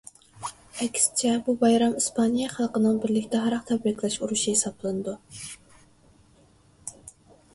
ئەكسىچە بۇ بايرام ئىسپانىيە خەلقىنىڭ بىرلىكتە ھاراق تەبرىكلەش ئۇرۇشى ھېسابلىنىدۇ.